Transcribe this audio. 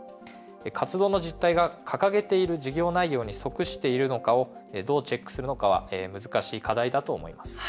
活動の実態が掲げている事業内容に即しているのかをどうチェックするのかは難しい課題だと思います。